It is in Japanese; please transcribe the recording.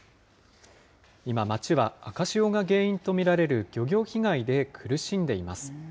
今、町は赤潮が原因と見られる漁業被害で苦しんでいます。